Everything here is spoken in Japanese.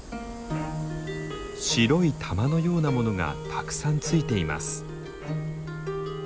白い玉のようなものがたくさんついています。